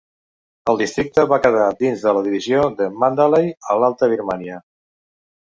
El districte va quedar dins de la divisió de Mandalay a l'Alta Birmània.